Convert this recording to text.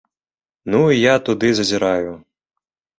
Ну і я туды зазіраю.